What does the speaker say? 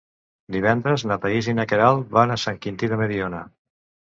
Divendres na Thaís i na Queralt van a Sant Quintí de Mediona.